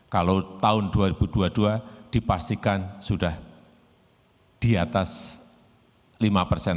kalau tahun dua ribu dua puluh dua dipastikan sudah di atas lima persen